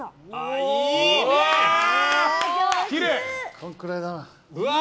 このくらいだな。